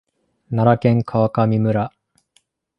奈良県川上村